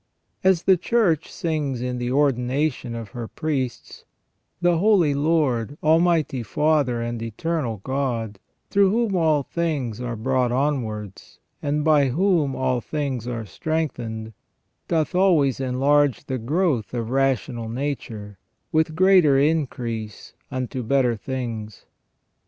As the Church sings in the ordination of her priests :" The Holy Lord, Almighty Father and Eternal God, through whom all things are brought onwards, and by whom all things are strengthened, doth always enlarge the growth of rational nature with greater increase unto better things